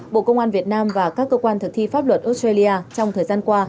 bộ công an việt nam và các cơ quan thực thi pháp luật australia trong thời gian qua